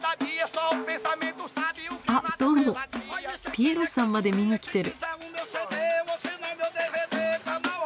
ピエロさんまで見に来てる。